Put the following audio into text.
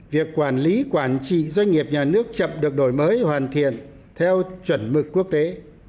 việc quản lý quản trị doanh nghiệp nhà nước chậm được đổi mới hoàn thiện theo chuẩn mực quốc tế